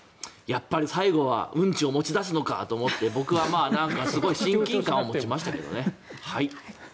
やっぱり最後はうんちを持ち出すのかと思って僕は親近感を持ちましたけどね。